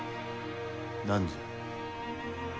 何じゃ。